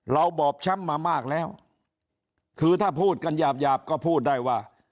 บอบช้ำมามากแล้วคือถ้าพูดกันหยาบหยาบก็พูดได้ว่า